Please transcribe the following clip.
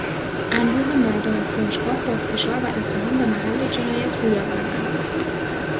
انبوه مردم کنجکاو با فشار و ازدحام به محل جنایت روی آوردند.